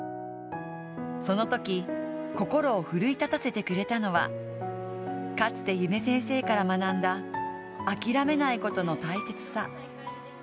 そのとき、心を奮い立たせてくれたのはかつて夢先生から学んだ諦めないことの大切さ。